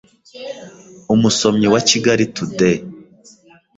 umusomyi wa Kigali Today